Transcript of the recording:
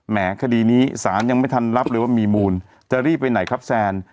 คดีนี้สารยังไม่ทันรับเลยว่ามีมูลจะรีบไปไหนครับแซน